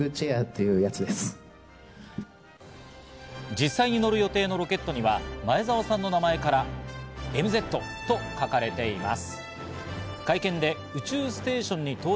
実際に乗る予定のロケットには前澤さんの名前から「ＭＺ」と書かれています。